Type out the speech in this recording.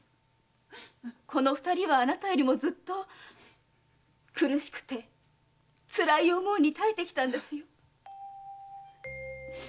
このお二人はあなたよりもずっと苦しくてつらい思いに耐えてきたんですよ。